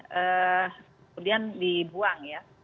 kemudian dibuang ya